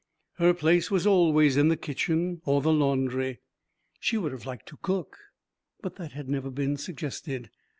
Her place was always in the kitchen or the laundry. She would have liked to cook, but that had never been suggested.